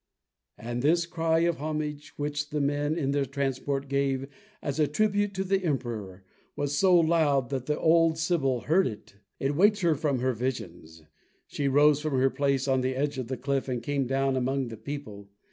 And this cry of homage, which the men in their transport gave as a tribute to the Emperor, was so loud that the old sibyl heard it. It waked her from her visions. She rose from her place on the edge of the cliff, and came down among the people.